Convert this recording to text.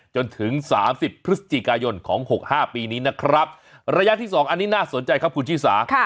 จนถึงสามสิบพฤศจิกายนของหกห้าปีนี้นะครับระยะที่สองอันนี้น่าสนใจครับคุณชิสา